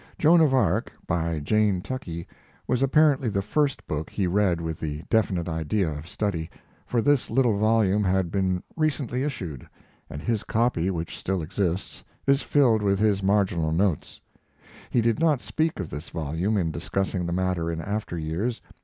Joan of Arc, by Janet Tuckey, was apparently the first book he read with the definite idea of study, for this little volume had been recently issued, and his copy, which still exists, is filled with his marginal notes. He did not speak of this volume in discussing the matter in after years.